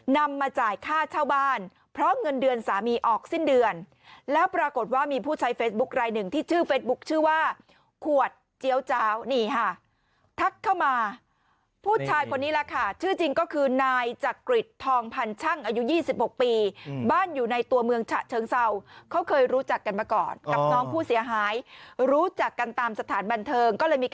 นำมาจ่ายค่าเช่าบ้านเพราะเงินเดือนสามีออกสิ้นเดือนแล้วปรากฏว่ามีผู้ใช้เฟซบุ๊คลายหนึ่งที่ชื่อเฟสบุ๊คชื่อว่าขวดเจี๊ยวเจ้านี่ค่ะทักเข้ามาผู้ชายคนนี้แหละค่ะชื่อจริงก็คือนายจักริจทองพันช่างอายุ๒๖ปีบ้านอยู่ในตัวเมืองฉะเชิงเศร้าเขาเคยรู้จักกันมาก่อนกับน้องผู้เสียหายรู้จักกันตามสถานบันเทิงก็เลยมีก